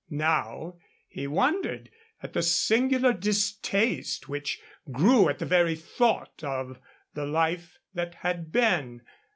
Now he wondered at the singular distaste which grew at the very thought of the life that had been.